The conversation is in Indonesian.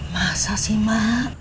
masa sih mak